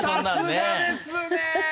さすがですね！